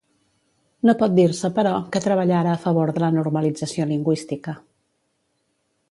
No pot dir-se, però, que treballara a favor de la normalització lingüística.